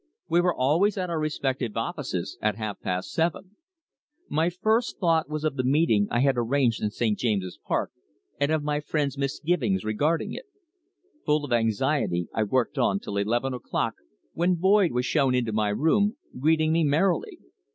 We were always at our respective offices at half past seven. My first thought was of the meeting I had arranged in St. James's Park, and of my friend's misgivings regarding it. Full of anxiety, I worked on till eleven o'clock, when Boyd was shown into my room, greeting me merrily.